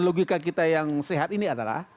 logika kita yang sehat ini adalah